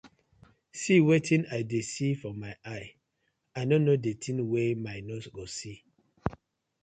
See wetin I dey see for my eye, I no no di tin wey my nose go see.